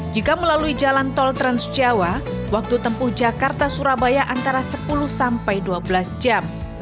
jika melalui jalan tol transjawa waktu tempuh jakarta surabaya antara sepuluh sampai dua belas jam